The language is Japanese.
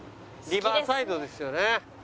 リバーサイドですよね。